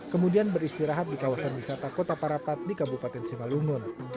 kemudian beristirahat di kawasan wisata kota parapat di kabupaten simalungun